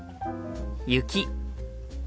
雪。